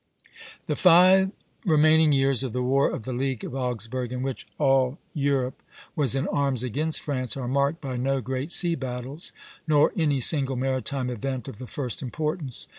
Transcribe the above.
The five remaining years of the War of the League of Augsburg, in which all Europe was in arms against France, are marked by no great sea battles, nor any single maritime event of the first importance.